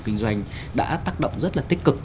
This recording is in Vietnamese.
kinh doanh đã tác động rất là tích cực